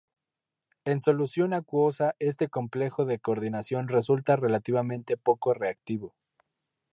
En solución acuosa este complejo de coordinación resulta relativamente poco reactivo.